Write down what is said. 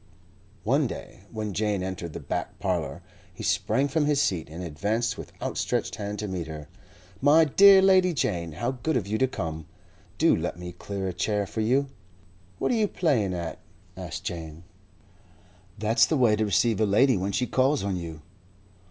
One day when Jane entered the back parlour he sprang from his seat and advanced with outstretched hand to meet her: "My dear Lady Jane, how good of you to come! Do let me clear a chair for you." "What are you playing at?" asked Jane. "That's the way to receive a lady when she calls on you.